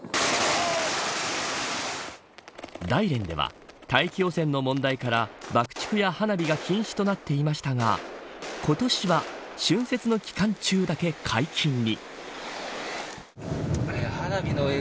大連では大気汚染の問題から爆竹や花火が禁止となっていましたが今年は春節の期間中だけ解禁に。